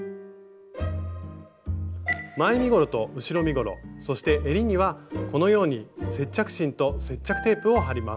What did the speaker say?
前身ごろと後ろ身ごろそしてえりにはこのように接着芯と接着テープを貼ります。